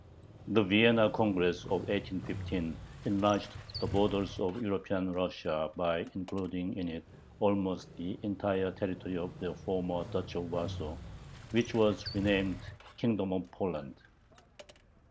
The Vienna Congress of 1815 enlarged the borders of European Russia by including in it almost the entire territory of the former Duchy of Warsaw, which was renamed "Kingdom of Poland."